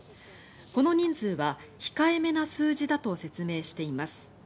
この人数は控えめな数字だと説明しています。